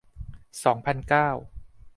สองพันเก้า